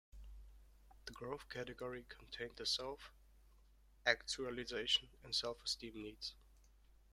The Growth category contained the self-actualization and self-esteem needs.